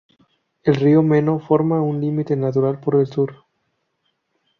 El río Meno forma un límite natural por el sur.